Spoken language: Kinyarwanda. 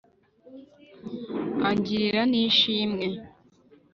angirira n'ishimwe.